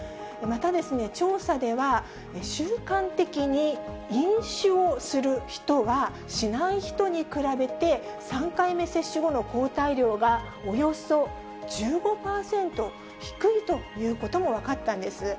また調査では、習慣的に飲酒をする人は、しない人に比べて、３回目接種後の抗体量が、およそ１５％低いということも分かったんです。